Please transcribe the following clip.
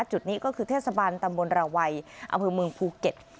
จุดนี้ก็คือเทศบาลตำบลระวัยอำเภอเมืองภูเก็ต